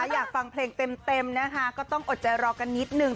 อยากฟังเพลงเต็มนะคะก็ต้องอดใจรอกันนิดนึง